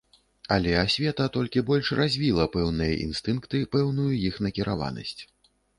Але асвета толькі больш развіла пэўныя інстынкты, пэўную іх накіраванасць.